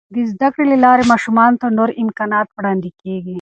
د زده کړې له لارې، ماشومانو ته نور امکانات وړاندې کیږي.